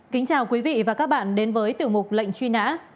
kính chào quý vị và các bạn đến với tiểu mục lệnh truy nã